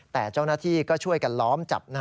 แต่เจ้าหน้าที่ก็ช่วยกันล้อมจับ